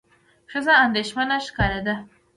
ښځه اندېښمنه ښکارېده.